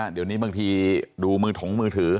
เดี๋ยวนี้บางทีดูมือถงมือถือ